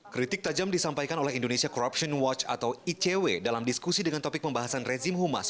kritik tajam disampaikan oleh indonesia corruption watch atau icw dalam diskusi dengan topik pembahasan rezim humas